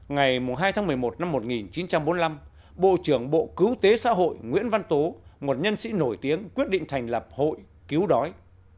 ngày hai tháng một mươi một năm một nghìn chín trăm bốn mươi năm bộ trưởng bộ cứu tế xã hội nguyễn văn tố một nhân sĩ nổi tiếng quyết định thành lập hội cứu đói